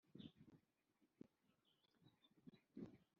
sankara yarafashwe none ari gusaba imbabazi